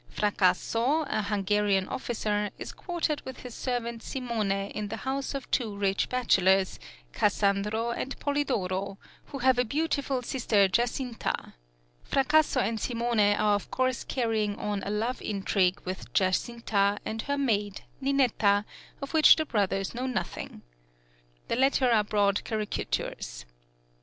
} (76) Fracasso, a Hungarian officer, is quartered with his servant Simone in the house of two rich bachelors, Cassandro and Polidoro, who have a beautiful sister Giacinta. Fracasso and Simone are of course carrying on a love intrigue with Giacinta and her maid, Ninetta, of which the brothers know nothing. The latter are broad caricatures.